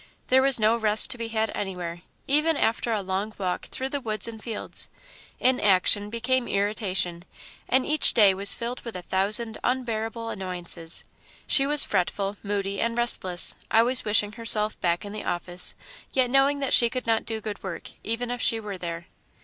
There was no rest to be had anywhere, even after a long walk through the woods and fields. Inaction became irritation, and each day was filled with a thousand unbearable annoyances. She was fretful, moody, and restless, always wishing herself back in the office, yet knowing that she could not do good work, even if she were there.